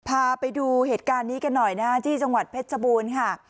พาไปดูเหตุการณ์นี้กันหน่อยนะที่จังหวัดเพชรชบูรณ์ค่ะ